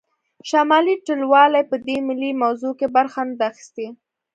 شمالي ټلوالې په دې ملي موضوع کې برخه نه ده اخیستې